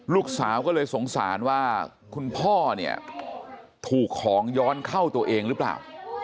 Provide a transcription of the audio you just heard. ลูกสาวก็เลยสงสารว่าคุณพ่อเนี่ยถูกของย้อนเข้าตัวเองหรือเปล่า